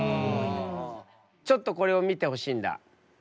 ちょっとこれを見てほしいんだ。